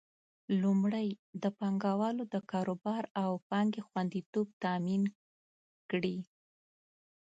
لومړی: د پانګوالو د کاروبار او پانګې خوندیتوب تامین کړي.